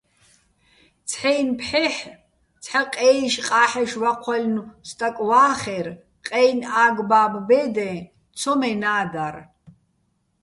ცჰ̦აჲნი̆ ფჰ̦ეჰ̦ ცჰ̦ა ყე́იშ-ყა́ჰ̦ეშ ვაჴვაჲლნო̆ სტაკ ვა́ხერ, ყეჲნი̆ ა́გ-ბა́ბო̆ ბე́დეჼ ცომენა́ დარ.